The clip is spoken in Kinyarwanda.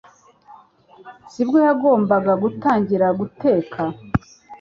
si bwo yagombaga gutangira gutegeka